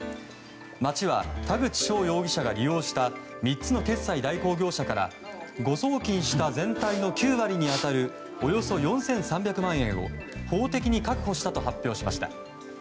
町は田口翔容疑者が利用した３つの決済代行業者から誤送金した全体の９割に当たるおよそ４３００万円を法的に確保したと発表しました。